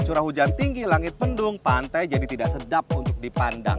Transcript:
curah hujan tinggi langit pendung pantai jadi tidak sedap untuk dipandang